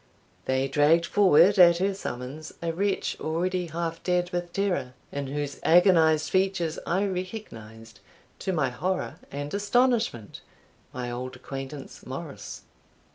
They dragged forward at her summons a wretch already half dead with terror, in whose agonised features I recognised, to my horror and astonishment, my old acquaintance Morris.